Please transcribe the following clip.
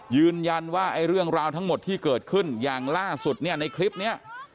ยืนยันว่าไอ้เรื่องราวทั้งหมดที่เกิดขึ้นอย่างล่าสุดเนี่ยในคลิปนี้